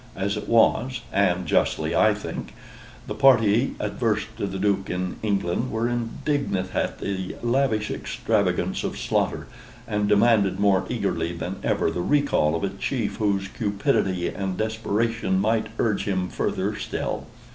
As it was, (and justly, I think,) the party adverse to the Duke in England were indignant at the lavish extravagance of slaughter, and demanded more eagerly than ever the recall of a chief whose cupidity and desperation might urge him further still.